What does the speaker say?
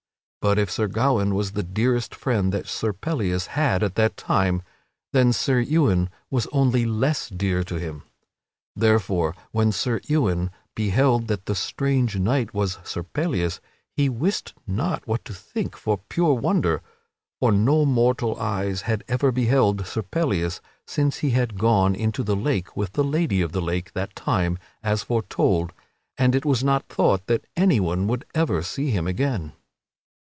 But if Sir Gawaine was the dearest friend that Sir Pellias had at that time, then Sir Ewain was only less dear to him. Therefore, when Sir Ewain beheld that the strange knight was Sir Pellias, he wist not what to think for pure wonder; for no mortal eyes had ever beheld Sir Pellias since he had gone into the lake with the Lady of the Lake that time as foretold, and it was not thought that anyone would ever see him again.